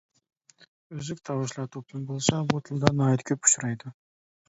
ئۈزۈك تاۋۇشلار توپلىمى بولسا بۇ تىلدا ناھايىتى كۆپ ئۇچرايدۇ.